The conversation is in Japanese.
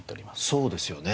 そうですよね。